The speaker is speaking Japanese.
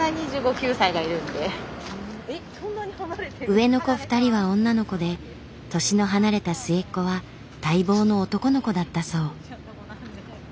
上の子２人は女の子で年の離れた末っ子は待望の男の子だったそう。